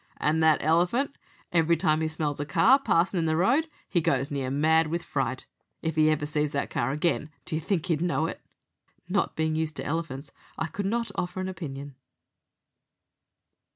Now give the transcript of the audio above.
And that elephant, every time he smells a car passin' in the road, he goes near mad with fright. If he ever sees that car again, do you think he'd know it?" Not being used to elephants, I could not offer an opinion.